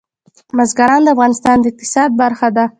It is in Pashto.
بزګان د افغانستان د اقتصاد برخه ده.